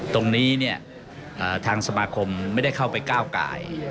ตรงนี้เนี่ยทางสมาคมไม่ได้เข้าไปก้าวกาย